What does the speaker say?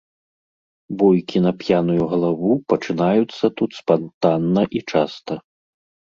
Бойкі на п'яную галаву пачынаюцца тут спантанна і часта.